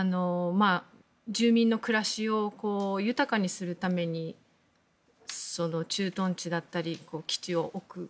住民の暮らしを豊かにするために駐屯地だったり基地を置く。